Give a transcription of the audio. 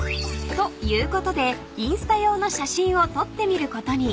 ［ということでインスタ用の写真を撮ってみることに］